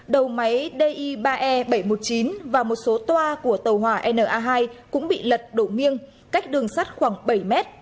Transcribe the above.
đầu máy di ba e bảy trăm một mươi chín và một số toa của tàu hòa na hai cũng bị lật đổ nghiêng cách đường sắt khoảng bảy mét